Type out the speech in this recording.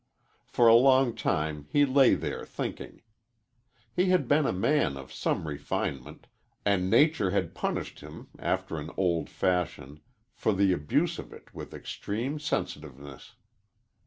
For a long time he lay there thinking. He had been a man of some refinement, and nature had punished him, after an old fashion, for the abuse of it with extreme sensitiveness.